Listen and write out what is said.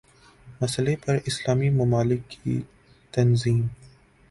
مسئلے پر اسلامی ممالک کی تنظیم